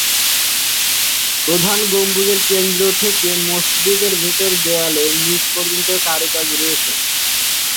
প্রধান গম্বুজের কেন্দ্র থেকে মসজিদের ভিতরের দেয়ালে নিচ পর্যন্ত কারুকাজ রয়েছে।